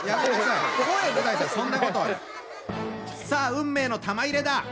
さあ運命の玉入れだ！